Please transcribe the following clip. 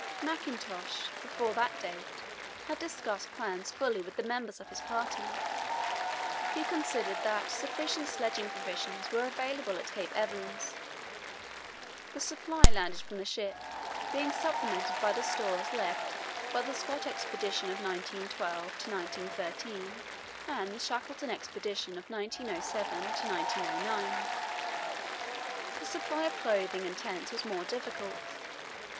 Mackintosh, before that date, had discussed plans fully with the members of his party. He considered that sufficient sledging provisions were available at Cape Evans, the supply landed from the ship being supplemented by the stores left by the Scott Expedition of 1912–13 and the Shackleton Expedition of 1907–09. The supply of clothing and tents was more difficult.